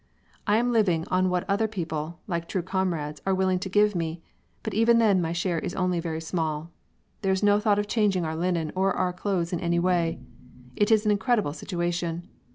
"I am living on what other people, like true comrades, are willing to give me, but even then my share is only very small. There is no thought of changing our linen or our clothes in any way. It is an incredible situation!